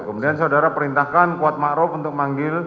kemudian saudara perintahkan kuat ma'ruf untuk manggil